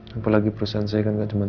apalagi perusahaan saya kan tidak cuma satu